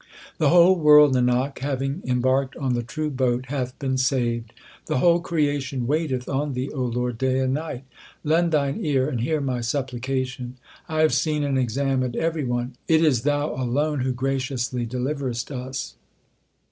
The whole world, Nanak, having embarked on the true boat 1 hath been saved, The whole creation waiteth on Thee,O Lord, day and night. Lend Thine ear and hear my supplication. I have seen and examined every one ; it is Thou alone who graciously deliverest us.